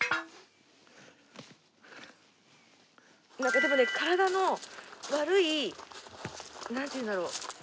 なんかでもね体の悪いなんていうんだろう。